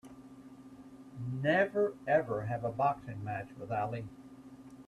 Never ever have a boxing match with Ali!